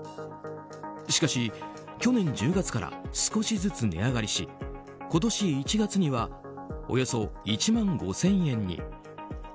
しかし去年１０月から少しずつ値上がりし今年１月にはおよそ１万５０００円に。